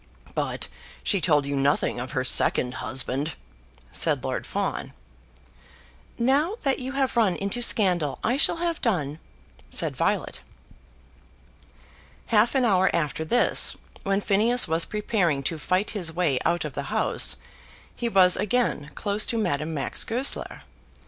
"But she told you nothing of her second husband?" said Lord Fawn. "Now that you have run into scandal, I shall have done," said Violet. Half an hour after this, when Phineas was preparing to fight his way out of the house, he was again close to Madame Max Goesler.